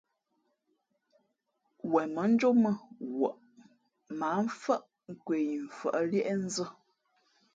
Wen mά njómα wαʼ mα ǎ mfάʼ nkwe yi mfα̌ʼ líéʼnzᾱ.